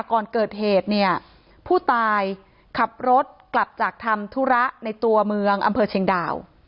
ก่อนเกิดเหตุเนี่ยผู้ตายขับรถกลับจากทำธุระในตัวเมืองอำเภอเชียงดาว